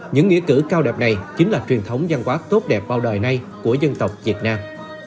những nghĩa cử cao đẹp này chính là truyền thống giang quá tốt đẹp bao đời nay của dân tộc việt nam